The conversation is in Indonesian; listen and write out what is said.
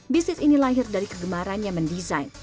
bisnis ini lahir dari kegemaran yang mendesain